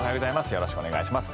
よろしくお願いします。